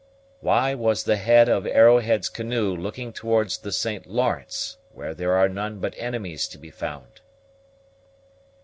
Why was the head of Arrowhead's canoe looking towards the St. Lawrence, where there are none but enemies to be found?"